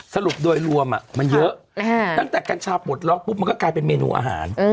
สรุปโดยรวมมันเยอะตั้งแต่กัญชาปลดล็อกปุ๊บมันก็กลายเป็นเมนูอาหาร